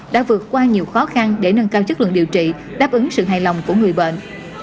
đã vượt qua nhiều khó khăn để nâng cao chất lượng điều trị đáp ứng sự hài lòng của người bệnh